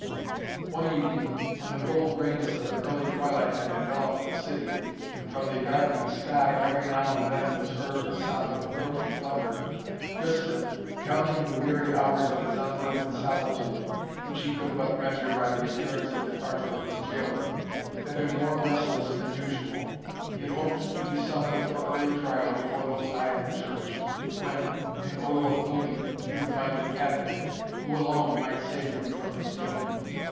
One evening, when the cold greyness of an early twilight had enveloped the city, and from the darkening sky every now and then was heard a sound of approaching thunder, Tristan, counting the weary hours of his unbroken solitude, which he could but measure by the appearance and departure of his gaoler, had been more restless than usual. He had hoped to be summoned for early trial before those high in the Church, when, in Odo of Cluny, he would find an advocate, who alone might save him from his doom.